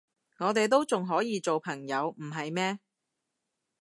我哋都仲可以做朋友，唔係咩？